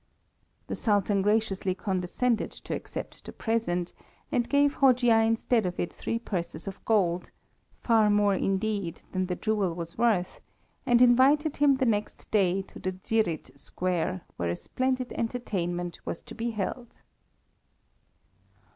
The Sultan graciously condescended to accept the present, and gave Hojia instead of it three purses of gold, far more indeed than the jewel was worth, and invited him the next day to the Dzsirid Square, where a splendid entertainment was to be held.